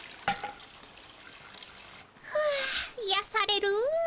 ふぅいやされる。